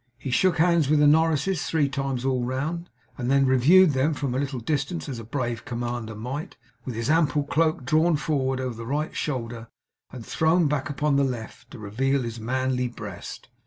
He shook hands with the Norrises three times all round, and then reviewed them from a little distance as a brave commander might, with his ample cloak drawn forward over the right shoulder and thrown back upon the left side to reveal his manly breast.